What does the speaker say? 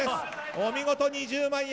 お見事、２０万円！